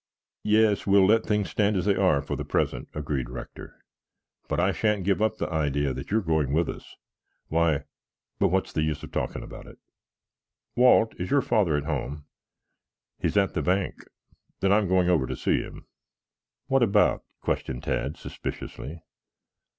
"Yes, we will let things stand as they are for the present," agreed Rector. "But I shan't give up the idea that you are going with us. Why but what's the use in talking about it? Walt, is your father at home?" "He is at the bank." "Then I'm going over to see him." "What about?" questioned Tad suspiciously.